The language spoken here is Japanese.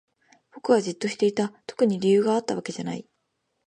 僕はじっと見ていた。特に理由があったわけじゃない。